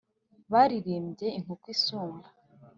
baririmbye inkuku isumba